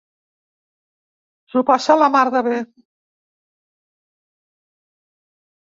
S'ho passa la mar de bé.